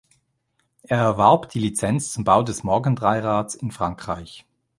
Er erwarb die Lizenz zum Bau des Morgan-Dreirads in Frankreich.